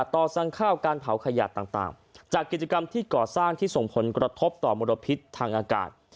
ต่อสั่งข้าวการเผาขยะต่างจากกิจกรรมที่ก่อสร้างที่ส่งผลกระทบต่อมลพิษทางอากาศ